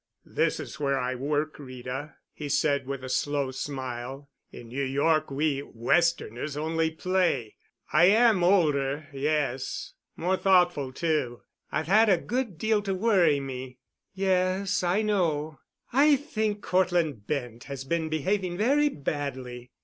"This is where I work, Rita," he said with a slow smile. "In New York we Westerners only play. I am older—yes, more thoughtful, too. I've had a good deal to worry me——" "Yes, I know. I think Cortland Bent has been behaving very badly."